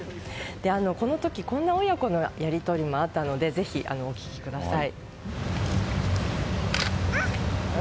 この時、こんな親子のやり取りもあったのでぜひお聞きください。